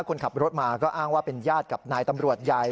คนขับรถมาก็อ้างว่าเป็นญาติกับนายตำรวจใหญ่